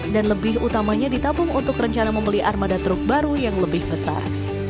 dan lebih utamanya ditabung untuk rencana membeli armada truk baru yang lebih besar